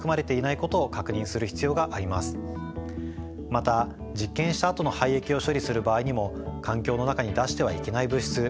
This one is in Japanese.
また実験したあとの廃液を処理する場合にも環境の中に出してはいけない物質